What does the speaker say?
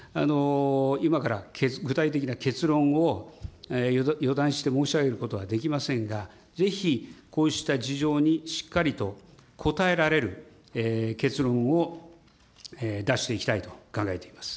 今から具体的な結論を予断して申し上げることはできませんが、ぜひ、こうした事情にしっかりと応えられる結論を出していきたいと考え